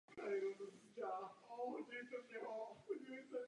V další scéně jsou Ray a Brenda v kině na filmu "Zamilovaný Shakespeare".